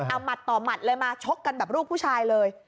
เอาหมัดต่อหมัดเลยมาชกกันแบบลูกผู้ชายเลย